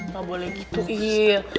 gak boleh gitu il